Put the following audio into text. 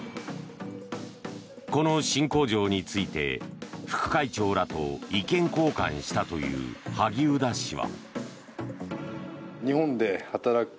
この新工場について副会長らと意見交換したという萩生田氏は。